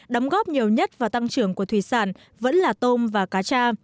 đóng góp nhiều nhất vào tăng trưởng của thủy sản vẫn là tôm và cá cha